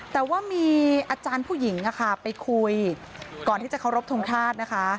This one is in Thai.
แต่ว่ามีอาจารย์ผู้หญิงไปคุยก่อนที่จะเคารพทงชาตินะคะ